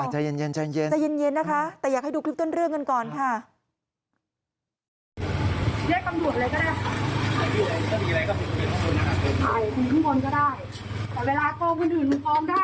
ใจเย็นใจเย็นนะคะแต่อยากให้ดูคลิปต้นเรื่องกันก่อนค่ะ